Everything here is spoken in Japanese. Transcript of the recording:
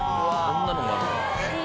こんなのもあるんだ。